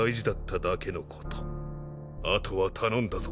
あとは頼んだぞ。